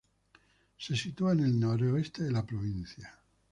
Se sitúa en el noroeste de la provincia.